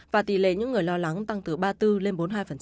và tỷ lệ những người lo lắng tăng từ ba mươi bốn lên bốn mươi hai